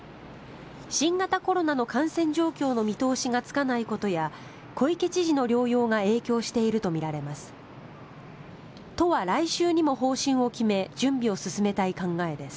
新型コロナの感染状況の見通しがつかないことや小池知事の療養が影響しているとみられます。